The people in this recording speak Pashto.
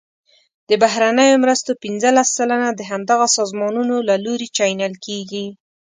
د بهرنیو مرستو پنځلس سلنه د همدغه سازمانونو له لوري چینل کیږي.